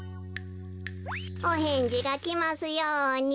おへんじがきますように。